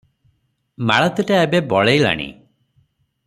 ମାଳତୀଟା ଏବେ ବଳେଇଲାଣି ।